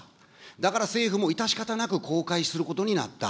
だから政府も致し方なく公開することになった。